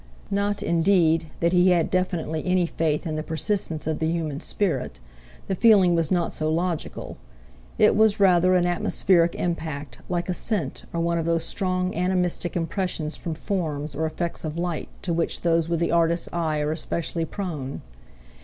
Not, indeed, that he had definitely any faith in the persistence of the human spirit—the feeling was not so logical—it was, rather, an atmospheric impact, like a scent, or one of those strong animistic impressions from forms, or effects of light, to which those with the artist's eye are especially prone.